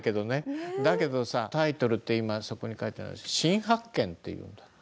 だけどさタイトルってそこに書いてある「新発見」っていうんだって。